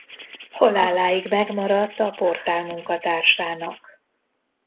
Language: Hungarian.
Haláláig megmaradt a portál munkatársának.